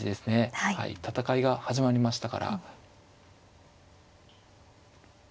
戦いが始まりましたから。